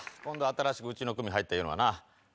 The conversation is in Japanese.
今度新しくうちの組入ったいうのはな。